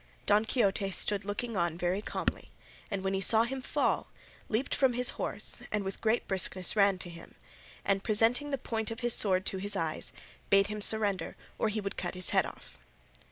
Don Quixote stood looking on very calmly, and, when he saw him fall, leaped from his horse and with great briskness ran to him, and, presenting the point of his sword to his eyes, bade him surrender, or he would cut his head off.